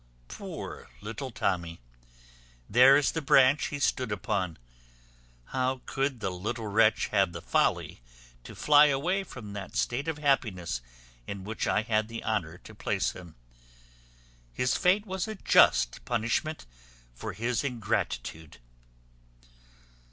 Poor little Tommy! there is the branch he stood upon. How could the little wretch have the folly to fly away from that state of happiness in which I had the honour to place him? His fate was a just punishment for his ingratitude."